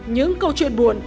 những câu chuyện buồn